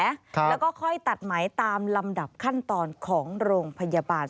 แล้วก็ค่อยตัดไหมตามลำดับขั้นตอนของโรงพยาบาล